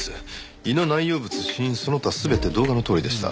胃の内容物死因その他全て動画のとおりでした。